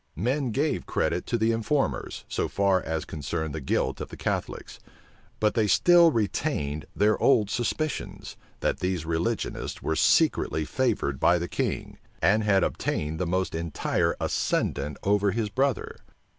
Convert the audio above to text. Men gave credit to the informers, so far as concerned the guilt of the Catholics: but they still retained their old suspicions, that these religionists were secretly favored by the king, and had obtained the most entire ascendant over his brother.